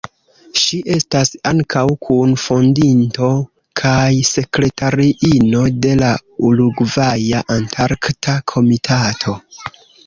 Ŝi estas ankaŭ kun-fondinto kaj sekretariino de la Urugvaja Antarkta Komitato.